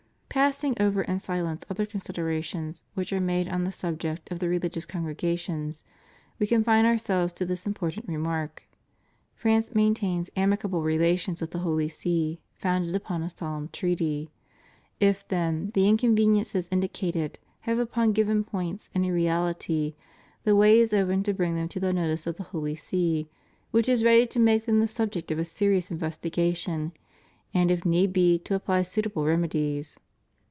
Passing over in silence other considerations which are made on the subject of the religious congregations, We confine Ourselves to this important remark: France maintains amicable relations with the Holy See founded upon a solemn treaty. If then, the inconveniences in dicated have upon given points any reality the way is open to bring them to the notice of the Holy See, which is ready to make them the subject of a serious investiga tion, and if need be to appty suitable remedies.